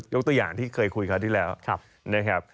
ตัวอย่างที่เคยคุยคราวที่แล้วนะครับ